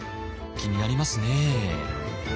気になりますね。